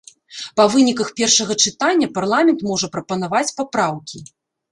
Па выніках першага чытання парламент можа прапанаваць папраўкі.